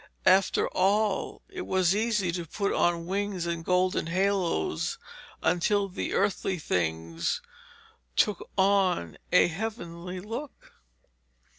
After all, it was easy to put on wings and golden haloes until the earthly things took on a heavenly look.